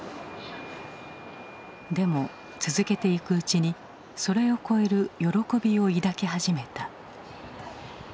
でも続けていくうちにそれを超える喜びを抱き始めた。